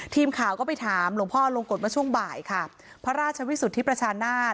ทีมข่าวก็ไปถามหลวงพ่อลงกฎเมื่อช่วงบ่ายค่ะพระราชวิสุทธิประชานาศ